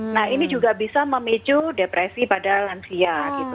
nah ini juga bisa memicu depresi pada lansia gitu